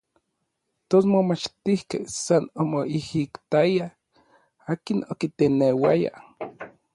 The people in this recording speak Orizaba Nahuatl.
Tos momachtijkej san omoijitayaj, akin okiteneuaya.